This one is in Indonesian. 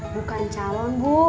bukan calon bu